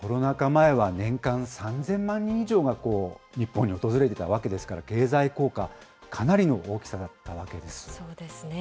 前は、年間３０００万人以上が、日本に訪れていたわけですから、経済効果、かなりのそうですね。